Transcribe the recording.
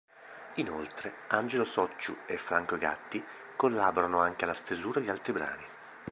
Inoltre, Angelo Sotgiu e Franco Gatti collaborano anche alla stesura di altri brani.